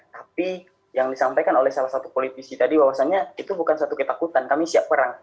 tapi yang disampaikan oleh salah satu politisi tadi bahwasannya itu bukan suatu ketakutan kami siap perang